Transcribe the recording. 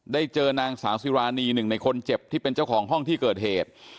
ได้เจอนางสาวสิรานีหนึ่งในคนเจ็บที่เป็นเจ้าของห้องที่เกิดเหตุ